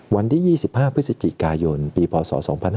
วันที่๒๕พฤศจิกายนปีพศ๒๕๕๙